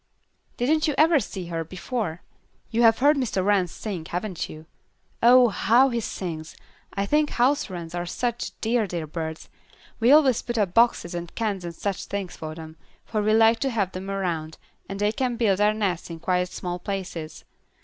"Didn't you ever see her before? You have heard Mr. Wren sing, haven't you? Oh, how he sings! I think house wrens are such dear, dear birds. We always put up boxes and cans and such things for them, for we like to have them around, and they can build their nests in quite small places.